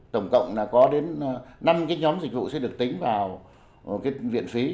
tổng cộng là có đến năm nhóm dịch vụ sẽ được tính vào viện phí